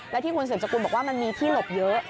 แล้วที่คุณเสริมจักรุ่นบอกว่ามันมีที่หลบเยอะ